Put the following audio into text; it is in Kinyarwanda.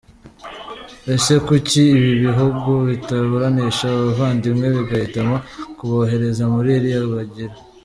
Ese kuki ibi bihugu bitaburanisha aba bavandimwe bigahitamo kubohereza muri ririya bagiro?